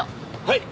はい。